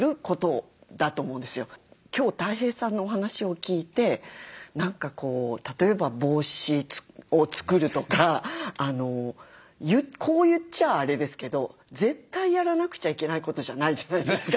今日たい平さんのお話を聞いて例えば帽子を作るとかこう言っちゃあれですけど絶対やらなくちゃいけないことじゃないじゃないですか。